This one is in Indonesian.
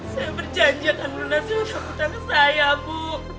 saya berjanjikan lunasnya untuk putar saya bu